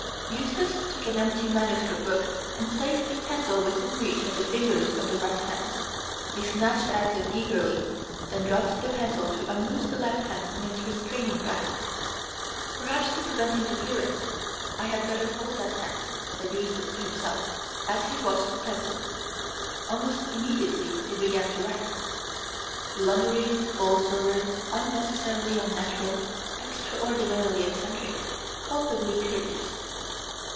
Eustace took an empty manuscript book and placed a pencil within reach of the fingers of the right hand. They snatched at it eagerly; then dropped the pencil to unloose the left hand from its restraining grasp. "Perhaps to prevent interference I had better hold that hand," said Eustace to himself, as he watched the pencil. Almost immediately it began to write. "Blundering Borlsovers, unnecessarily unnatural, extraordinarily eccentric, culpably curious."